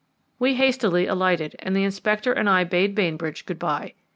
We hastily alighted, and the Inspector and I bade Bainbridge good bye.